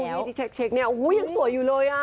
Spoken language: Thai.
ยู่ยี่ที่เช็กเนี่ยโอ้โหยังสวยอยู่เลยอ่ะ